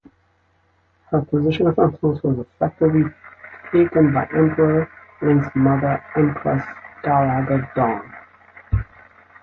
Her position of influence was effectively taken by Emperor Ling's mother Empress Dowager Dong.